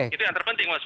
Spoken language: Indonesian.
itu yang terpenting mas